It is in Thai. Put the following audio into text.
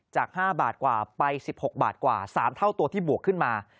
จาก๕บาทกว่าไป๑๖บาทกว่า๓เท่าตัวที่บวกขึ้นมา